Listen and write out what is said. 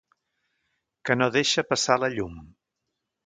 Que no deixa passar la llum.